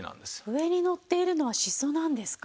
上にのっているのはしそなんですか？